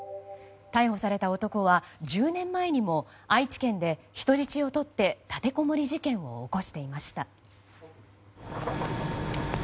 逮捕された男は１０年前にも愛知県で人質をとって立てこもり事件を起こしていました。